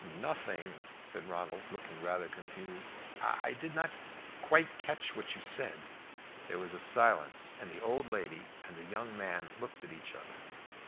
"Nothing," said Ronald, looking rather confused; "I did not quite catch what you said." There was a silence, and the old lady and the young man looked at each other.